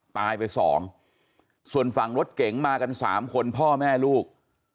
ตายไปสองส่วนฝั่งรถเก๋งมากันสามคนพ่อแม่ลูก